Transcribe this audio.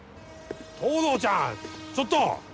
東堂ちゃんちょっと！